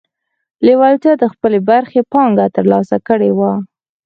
لېوالتیا د خپلې برخې پانګه ترلاسه کړې وه.